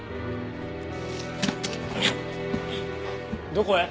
どこへ？